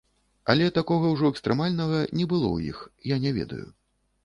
Але такога ўжо экстрэмальнага не было ў іх, я не ведаю.